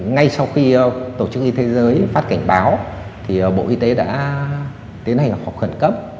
ngay sau khi tổ chức y thế giới phát cảnh báo thì bộ y tế đã tiến hành học khẩn cấp